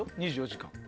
２４時間。